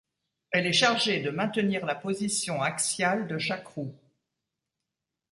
Elle est chargée de maintenir la position axiale de chaque roue.